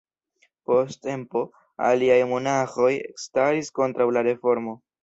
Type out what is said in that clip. Post tempo, aliaj monaĥoj ekstaris kontraŭ la reformo.